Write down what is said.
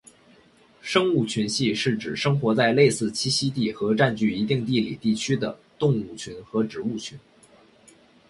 生物群系是指生活在类似栖息地和占据一定地理地区的动物群和植物群。